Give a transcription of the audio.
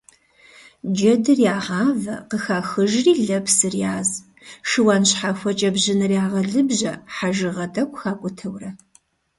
Джэдыр ягъавэ къыхахыжри лэпсыр яз, шыуан щхьэхуэкӀэ бжьыныр ягъэлыбжьэ, хьэжыгъэ тӀэкӀу хакӀутэурэ.